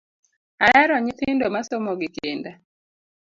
Ahero nyithindo masomo gi kinda